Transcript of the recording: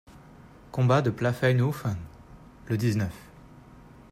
Combat de Pfaffenhoffen, le dix-neuf.